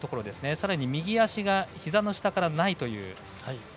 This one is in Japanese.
さらに右足がひざの下からないという。